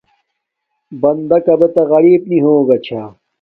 بندہ کابے تہ غریپ نی ہوگا چھا